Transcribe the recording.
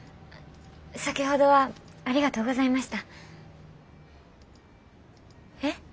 先ほどはありがとうございました。え？